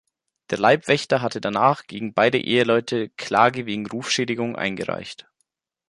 Der Leibwächter hatte danach gegen beide Eheleute Klage wegen Rufschädigung eingereicht.